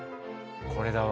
これだわ。